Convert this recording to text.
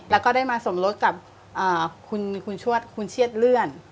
เราก็ได้มาส่งรถกับคุณชั่วกููลเชียดเลื่อน